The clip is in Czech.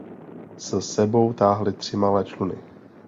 S sebou táhli tři malé čluny.